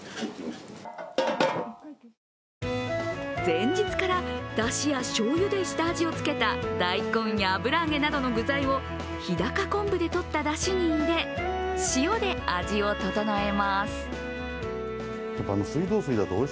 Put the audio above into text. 前日から、だしやしょうゆで下味をつけた大根や油揚げなどの具材を日高昆布でとっただしに入れ、塩で味をととのえます。